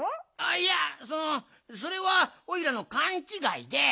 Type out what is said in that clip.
いやそのそれはおいらのかんちがいで。